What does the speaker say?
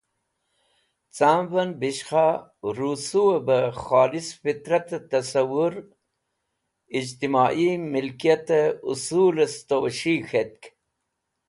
Camven Bishkha Ruseu e be Kholis Fitrate Tasawur Ijtimai Milkiyate Usul e Sutowes̃hig̃h k̃hetk.